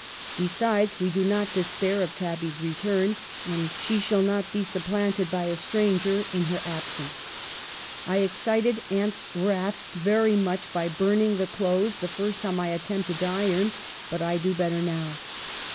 Besides, we do not despair of Tabby's return, and she shall not be sup planted by a stranger in her absence. I excited aunt's wrath very much by burning the clothes the first time I attempted to iron ; but I do bet " ter now.